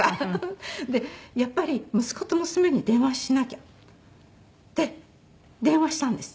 やっぱり息子と娘に電話しなきゃって電話したんです。